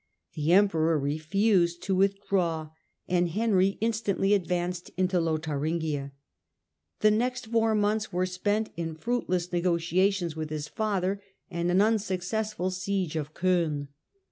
The emperor refused to withdraw, and Henry instantly advanced into Lotharingia. The next four months were spent in fruitless negotiations with his father and an unsuccessful siege of G5ln.